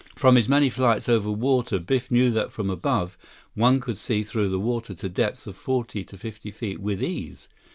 From his many flights over water, Biff knew that from above, one could see through the water to depths of forty to fifty feet with ease.